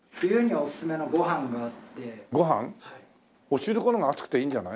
お汁粉の方が熱くていいんじゃない？